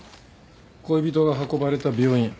恋人が運ばれた病院。